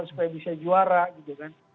supaya bisa juara gitu kan